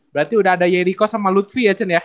berarti udah ada yeriko sama lutfi ya